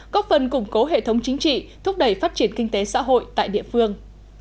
góp phần củng cố hệ thống chính trị thúc đẩy phát triển kinh tế xã hội tại địa phương